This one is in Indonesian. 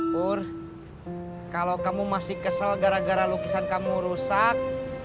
bur kalau kamu masih kesel gara gara lukisan kamu rusak